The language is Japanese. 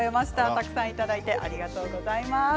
たくさんいただいてありがとうございます。